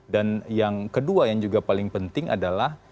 dan yang kedua yang juga paling penting adalah